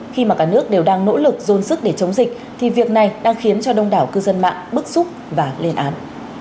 khi mà cả nước đều đang nỗ lực dồn sức để chống dịch thì việc này đang khiến cho đông đảo cư dân mạng bức xúc và lên án